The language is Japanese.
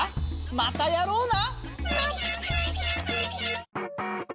またやろうな！